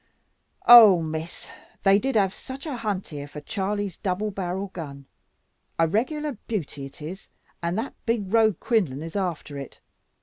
"Oh, Miss, they did have such a hunt here for Charley's double barrel gun; a regular beauty it is, and that big rogue Quinlan is after it.